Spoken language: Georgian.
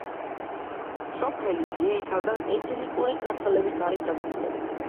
სოფელი ძირითადად ეთნიკური ქართველებით არის დასახლებული.